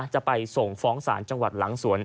จะไปส่งฟ้องศาลจังหวัดหลังสวน